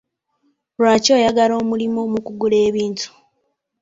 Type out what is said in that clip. Lwaki oyagala omulimu mu kugula ebintu?